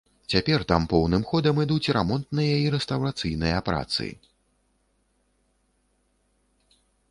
Цяпер там поўным ходам ідуць рамонтныя і рэстаўрацыйныя працы.